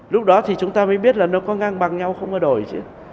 lúc đó thì chúng ta mới biết là nó có ngang bằng nhau không có đổi chứ